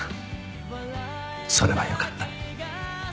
それはよかった。